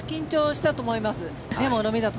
したと思います。